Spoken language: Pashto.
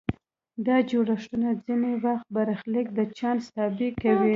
دا جوړښتونه ځینې وخت برخلیک د چانس تابع کوي.